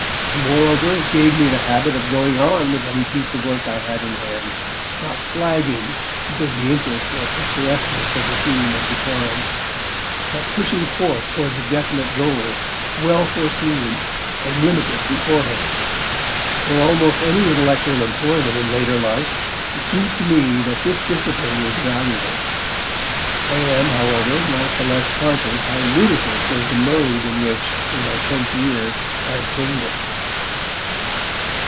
Moreover, it gave me the habit of going on with any piece of work I had in hand, not flagging because the interest or picturesqueness of the theme had declined, but pushing forth towards a definite goal, well foreseen and limited beforehand. For almost any intellectual employment in later life, it seems to me that this discipline was valuable. I am, however, not the less conscious how ludicrous was the mode in which, in my tenth year, I obtained it.